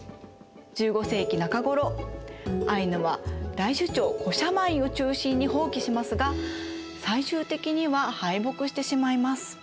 １５世紀中頃アイヌは大首長コシャマインを中心に蜂起しますが最終的には敗北してしまいます。